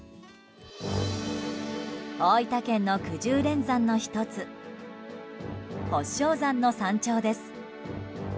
大分県のくじゅう連山の１つ星生山の山頂です。